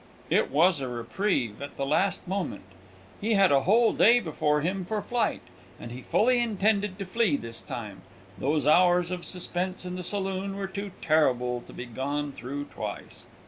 _" It was a reprieve at the last moment! He had a whole day before him for flight, and he fully intended to flee this time; those hours of suspense in the saloon were too terrible to be gone through twice.